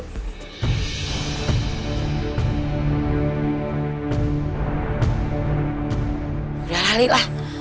udah lali lah